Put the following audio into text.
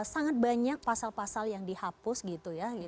sangat banyak pasal pasal yang dihapus gitu ya